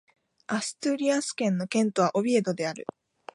アストゥリアス県の県都はオビエドである